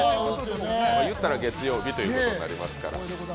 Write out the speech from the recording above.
言うたら月曜日ということになりますから。